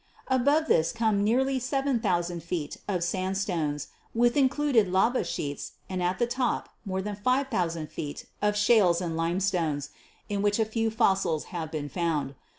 Above this come nearly 7,000 feet of sandstones, with included lava sheets, and at the top more than 5,000 feet of shales and lime stones, in which a few fossils have been found.